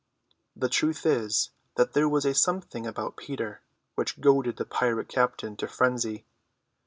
The truth is that there was a something about Peter which goaded the pirate captain to frenzy.